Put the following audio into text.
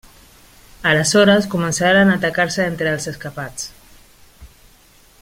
Aleshores començaren a atacar-se entre els escapats.